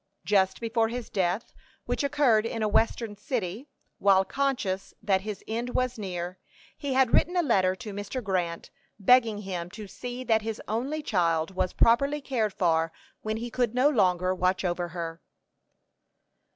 Just before his death, which occurred in a western city, while conscious that his end was near, he had written a letter to Mr. Grant, begging him to see that his only child was properly cared for when he could no longer watch over her.